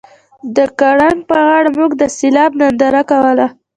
د ګړنګ په غاړه موږ د سیلاب ننداره کوله